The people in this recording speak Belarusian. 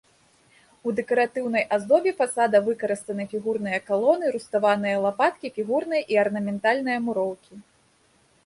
У дэкаратыўнай аздобе фасада выкарыстаны фігурныя калоны, руставаныя лапаткі, фігурная і арнаментальная муроўкі.